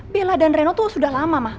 bella dan reno tuh sudah lama mah